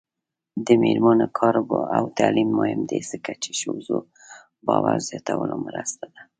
د میرمنو کار او تعلیم مهم دی ځکه چې ښځو باور زیاتولو مرسته ده.